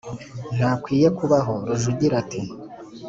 ntakwiye kubaho." rujugira ati: